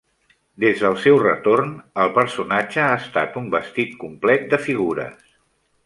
Des del seu retorn, el personatge ha estat un vestit complet de figures.